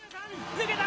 抜けた！